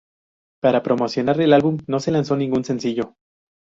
Para promocionar el álbum no se lanzó ningún sencillo.